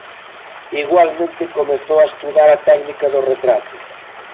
Igualmente comezou a estudar a técnica do retrato.